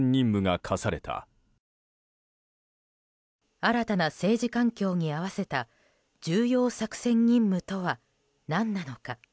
新たな政治環境に合わせた重要作戦任務とは何なのか。